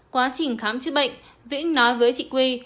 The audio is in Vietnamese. quá trình khám chữa bệnh vĩnh nói với chị quy